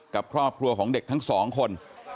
กับครอบครัวของเด็กทั้งสองคน